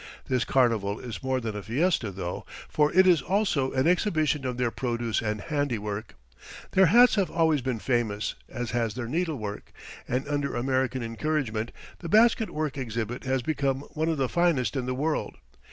This carnival is more than a fiesta, though, for it is also an exhibition of their produce and handiwork. Their hats have always been famous, as has their needlework, and under American encouragement the basket work exhibit has become one of the finest in the world.